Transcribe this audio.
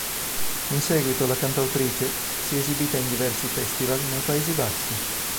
In seguito la cantautrice si è esibita in diversi festival nei Paesi Bassi.